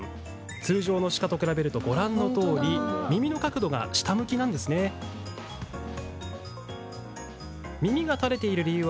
通常の鹿と比べるとご覧のとおり耳の角度が下向きです。